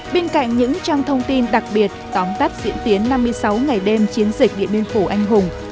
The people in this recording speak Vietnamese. bên cạnh những trang thông tin đặc biệt tóm tắt diễn tiến năm mươi sáu ngày đêm chiến dịch điện biên phủ anh hùng